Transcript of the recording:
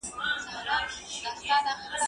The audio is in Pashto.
زه اوږده وخت سپينکۍ پرېولم وم!.